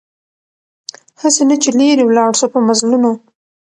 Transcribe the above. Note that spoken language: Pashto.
هسي نه چي لیري ولاړ سو په مزلونو